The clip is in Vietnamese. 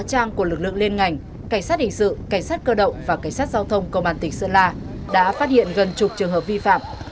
trang của lực lượng liên ngành cảnh sát hình sự cảnh sát cơ động và cảnh sát giao thông công an tỉnh sơn la đã phát hiện gần chục trường hợp vi phạm